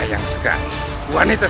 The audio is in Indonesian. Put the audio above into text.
iya kak kanda